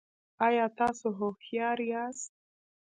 ایا تاسو هوښیار یاست؟